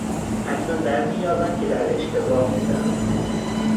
اکنون درمییابم که در اشتباه بودهام.